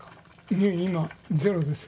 いや今ゼロです。